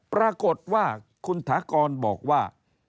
ปรากฏว่าคุณถากรบอกว่า